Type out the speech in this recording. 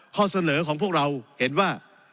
ข้อเสนอของพวกเราเห็นว่า